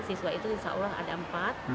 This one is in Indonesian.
siswa itu insya allah ada empat